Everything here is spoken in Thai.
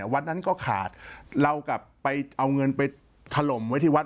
วัดนั้นก็ขาดเรากลับไปเอาเงินไปถล่มไว้ที่วัด